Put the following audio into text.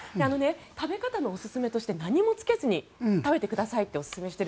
食べ方のおすすめとして何もつけずに食べてくださいとおすすめしている。